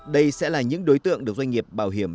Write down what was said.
đây sẽ là những đối tượng được doanh nghiệp bảo hiểm